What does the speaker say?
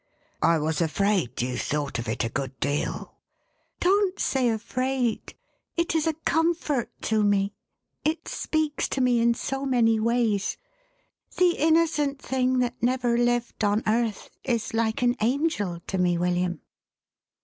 " I was afraid you thought of it a good deal." " Don't say afraid ; it is a comfort to me ; it speaks to me in so many ways. The innocent thing that never lived on earth is like an angel to me, William."